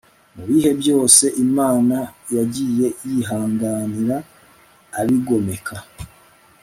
mu bihe byose imana yagiye yihanganira abigomeka